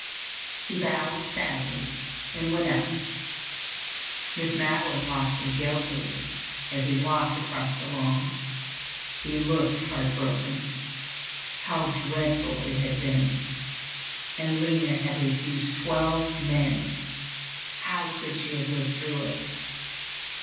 He bowed sadly and went out. Miss Madeline watched him guiltily as he walked across the lawn. He looked heart broken. How dreadful it had been! And Lina had refused twelve men! How could she have lived through it?